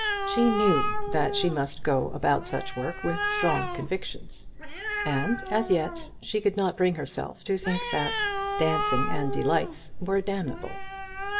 She knew that she must go about such work with strong convictions, and as yet she could not bring herself to think that "dancing and delights" were damnable.